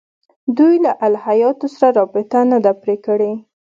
دوی له الهیاتو سره رابطه نه ده پرې کړې.